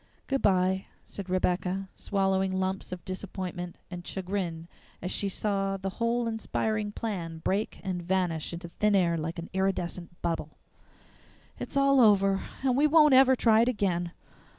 "Goodby," said Rebecca, swallowing lumps of disappointment and chagrin as she saw the whole inspiring plan break and vanish into thin air like an iridescent bubble. "It's all over and we won't ever try it again.